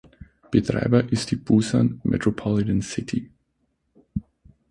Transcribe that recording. Betreiber ist die "Busan Metropolitan City".